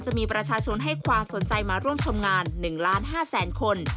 จะมีประชาชนให้ความสนใจมาร่วมชมงาน๑ล้าน๕แสนคน